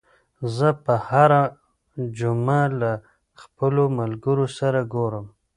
زه به هره جمعه له خپلو ملګرو سره ګورم.